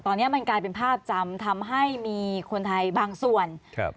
ตอนนี้มันกลายเป็นภาพจำทำให้มีคนไทยบางส่วนครับ